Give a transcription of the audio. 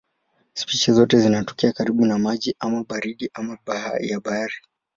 Spishi zote zinatokea karibu na maji ama baridi ama ya bahari.